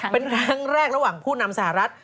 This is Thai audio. เป็นครั้งแรกระหว่างผู้นำสหรัฐ